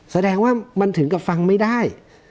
แสดงว่ามันถึงกับฟังไม่ได้